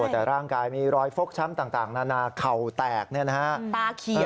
แต่ร่างกายมีรอยฟกช้ำต่างนาเข่าแตก